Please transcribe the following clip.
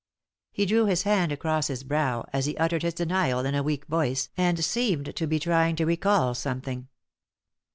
He drew his hand across his brow as he uttered his denial in a weak voice, and seemed to be trying to recall something.